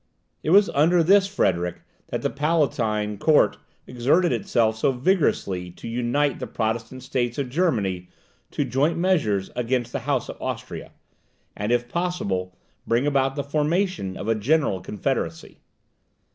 It was under this Frederick that the Palatine Court exerted itself so vigorously to unite the Protestant states of Germany in joint measures against the House of Austria, and, if possible, bring about the formation of a general confederacy.